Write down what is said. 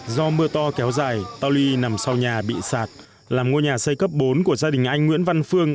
do mưa to kéo dài tàu ly nằm sau nhà bị sạt làm ngôi nhà xây cấp bốn của gia đình anh nguyễn văn phương